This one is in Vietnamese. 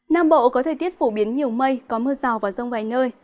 nam bộ có thời tiết phổ biến nhiều mây có mưa rào và rông vài nơi